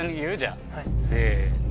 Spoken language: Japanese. せの。